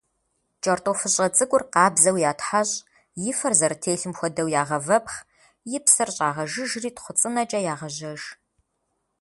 Кӏэртӏофыщӏэ цӏыкӏур къабзэу ятхьэщӏ, и фэр зэрытелъым хуэдэу ягъэвэпхъ, и псыр щӏагъэжыжри тхъуцӏынэкӏэ ягъэжьэж.